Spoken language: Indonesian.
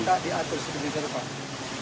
kita diatur sedemikian